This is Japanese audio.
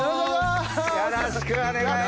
よろしくお願いします！